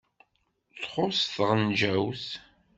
Txuṣṣ tɣenǧawt.